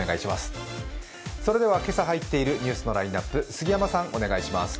それでは今朝入っているニュースのラインナップ、杉山さん、お願いします。